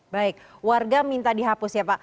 baik warga minta dihapus ya pak